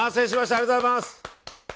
ありがとうございます。